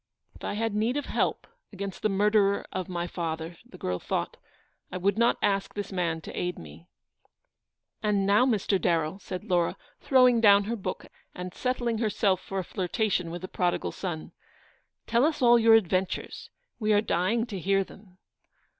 " If I had need of help against the murderer of my father," the girl thought, " I would not ask this man to aid me." " And now, Mr. Darrell/' said Laura, throwing down her book, and settling herself for a flirtation with the prodigal son, " tell us all your adven tures. We are dying to hear them."